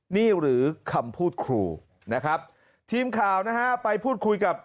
นี่หรือคำพูดครูนะครับทีมข่าวนะฮะไปพูดคุยกับ